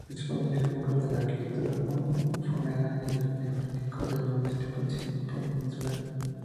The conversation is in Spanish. Es un magnífico ejemplo de la arquitectura funeraria del neolítico en el noroeste peninsular.